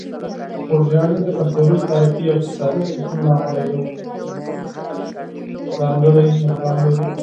خوږیاڼي د کلتوري، تاریخي او اقتصادي ارزښتونو له امله یو ځانګړی مقام لري.